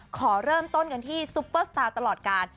ขอเริ่มต้นกันที่ซุปเปอร์สตาร์ตลอดการ